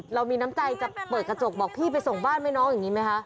เรามีน้ำใจจะเปิดกระจกบอกพี่ไปส่งบ้านแม่น้องอย่างนี้ไหมคะ